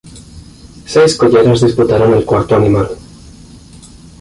Seis colleras disputaron el cuarto animal.